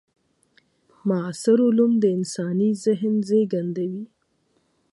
معاصر علوم د انساني ذهن زېږنده وي.